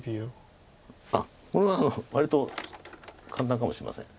あっこれは割と簡単かもしれません。